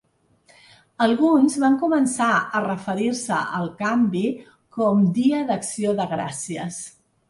Alguns van començar a referir-se al canvi com Dia d'Acció de Gràcies.